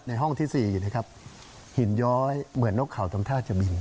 ห้องที่๔นะครับหินย้อยเหมือนนกเขาทำท่าจะบิน